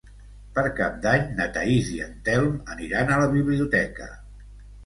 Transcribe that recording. Per Cap d'Any na Thaís i en Telm aniran a la biblioteca.